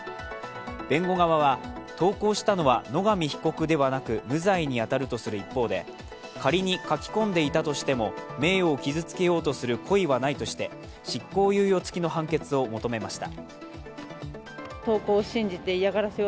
弁護側は、投稿したのは野上被告ではなく無罪に当たるとする一方で、仮に書き込んでいたとしても名誉を傷つけようとする故意はないとして執行猶予付きの判決を求めました。